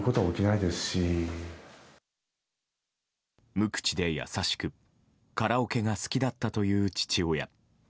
無口で優しくカラオケが好きだったという父親。